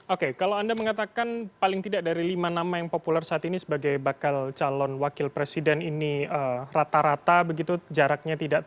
oke kalau anda mengatakan paling tidak dari lima nama yang populer saat ini sebagai bakal calon wakil presiden ini rata rata begitu jaraknya tidak terlalu